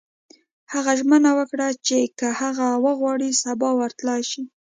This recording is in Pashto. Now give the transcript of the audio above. هغه ژمنه وکړه چې که هغه وغواړي سبا ورتلای شي